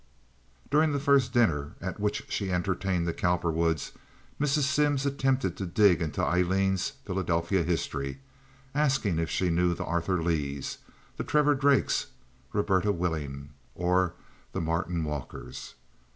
During the first dinner at which she entertained the Cowperwoods Mrs. Simms attempted to dig into Aileen's Philadelphia history, asking if she knew the Arthur Leighs, the Trevor Drakes, Roberta Willing, or the Martyn Walkers.